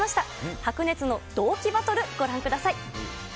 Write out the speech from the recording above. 白熱の同期バトル、ご覧ください。